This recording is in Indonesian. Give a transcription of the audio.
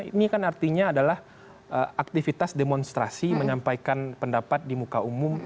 ini kan artinya adalah aktivitas demonstrasi menyampaikan pendapat di muka umum